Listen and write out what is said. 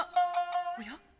おや？